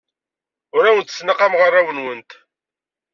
Ur awent-ttnaqameɣ arraw-nwent.